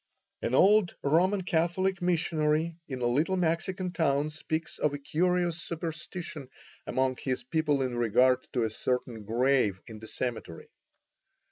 An old Roman Catholic missionary in a little Mexican town speaks of a curious superstition among his people in regard to a certain grave in the cemetery.